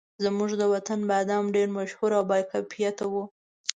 زموږ د وطن بادام ډېر مشهور او باکیفیته وو.